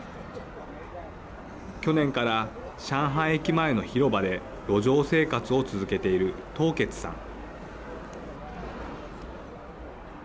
去年から上海駅前の広場で路上生活を続けている董傑さん。